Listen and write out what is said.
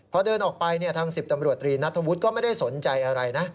พอเดินออกไปทาง๑๐ตำรวจตรีนัทธวุฒิก็ไม่ได้สนใจอะไรนะ